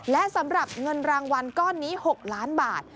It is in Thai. และสำหรับเงินรางวัลก้อนนี้๖ล้านบาท